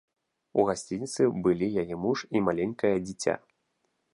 У гасцініцы былі яе муж і маленькае дзіця.